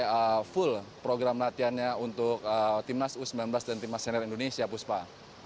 dan setelah itu timnas u sembilan belas dan timnas senior indonesia akan memulai latihan